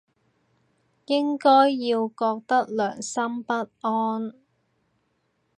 應該要覺得良心不安